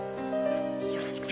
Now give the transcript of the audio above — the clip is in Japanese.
よろしくね。